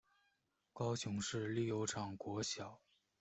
高雄市立油厂国小